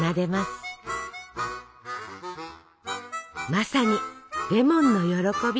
まさに「レモンの歓び」！